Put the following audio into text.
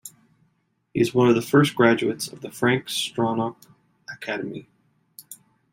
He is one of the first graduates of the Frank Stronach Academy.